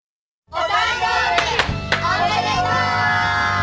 お誕生日おめでとう！